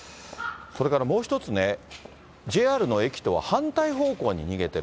それからもう一つね、ＪＲの駅とは反対方向に逃げてる。